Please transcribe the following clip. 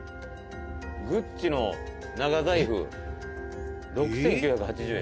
「グッチの長財布、６９８０円」